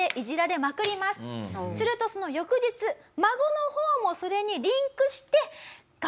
するとその翌日孫の方もそれにリンクして。